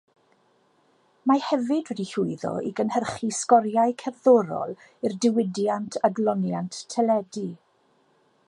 Mae hefyd wedi llwyddo i gynhyrchu sgoriau cerddorol i'r diwydiant adloniant teledu.